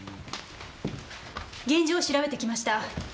現場を調べてきました。